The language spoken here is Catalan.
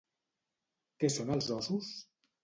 Què són els Ossos?